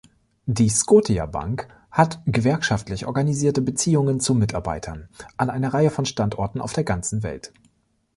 Die Scotiabank hat gewerkschaftlich organisierte Beziehungen zu Mitarbeitern an einer Reihe von Standorten auf der ganzen Welt.